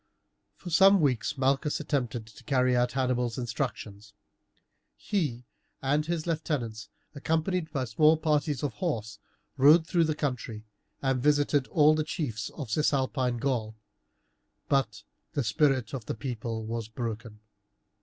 For some weeks Malchus attempted to carry out Hannibal's instructions; he and his lieutenants, accompanied by small parties of horse, rode through the country and visited all the chiefs of Cisalpine Gaul, but the spirit of the people was broken.